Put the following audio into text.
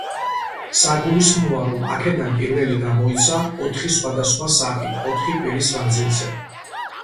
საგულისხმოა რომ აქედან პირველი გამოიცა ოთხი სხვადასხვა სახით, ოთხი კვირის მანძილზე.